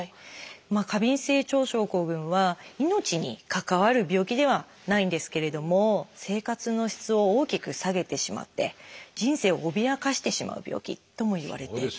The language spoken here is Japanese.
過敏性腸症候群は命に関わる病気ではないんですけれども生活の質を大きく下げてしまって人生を脅かしてしまう病気ともいわれています。